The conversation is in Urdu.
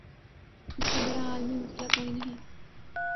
اس سے بڑا عالمی مسئلہ کوئی نہیں۔